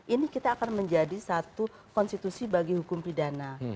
ini kita akan menjadi satu konstitusi bagi hukum pidana